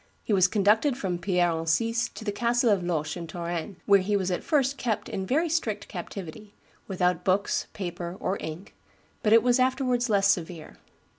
He was conducted from Pierre Encise to the castle of Loches in Touraine, where he was at first kept in very strict captivity, "without books, paper, or ink," but it was afterwards less severe.